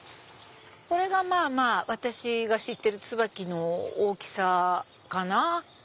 これが私が知ってるツバキの大きさかな。